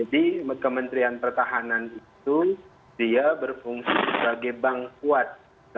di kementerian pertahanan itu dia berfungsi sebagai bank kuat